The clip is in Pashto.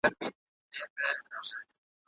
که پوهه وي نو ټولنه نه غولیږي.